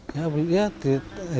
iya beli apa